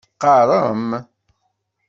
Teqqaṛem?